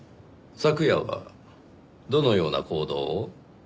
昨夜はどのような行動を？